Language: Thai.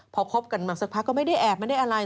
พอคบกันมาสักพักก็ไม่ได้แอบไม่ได้อะไร